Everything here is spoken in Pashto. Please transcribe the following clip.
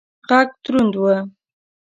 غږ دروند و.